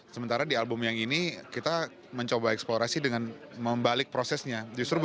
sementara di album yang ini kita mencoba eksplorasi dengan membalik prosesnya